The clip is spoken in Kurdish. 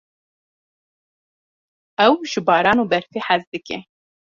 Ew ji baran û berfê hez dike.